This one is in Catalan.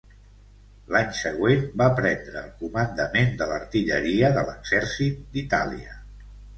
L'any següent, va prendre el comandament de l'artilleria de l'exèrcit d'Itàlia.